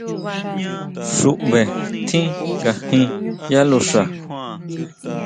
Xuʼbe tjín ngajin yá luxa.